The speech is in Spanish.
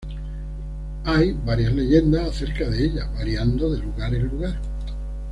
Hay varias leyendas acerca de ella, variando de lugar en lugar.